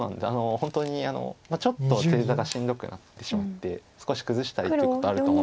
本当にちょっと正座がしんどくなってしまって少し崩したりってことあると思う。